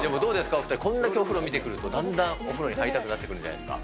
お２人、こんだけお風呂見てくると、だんだんお風呂に入ってきたくなるんじゃないですか。